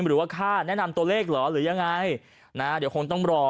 หรือว่าค่าแนะนำตัวเลขเหรอหรือยังไงนะเดี๋ยวคงต้องรอ